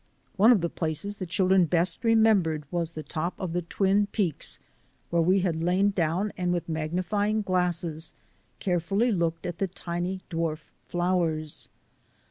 One of the places the children best re membered was the top of the Twin Peaks, where we had lain down and with magnifying glasses care fully looked at the tiny dwarf flowers.